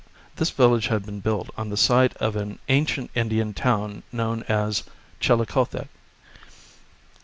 This village had been built on the site of an ancient Indian town known as " Chilicothe."